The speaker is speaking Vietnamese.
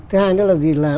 thứ hai nữa là gì là